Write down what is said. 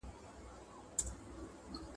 اوس که زما منۍ را ټول یې کړی تخمونه`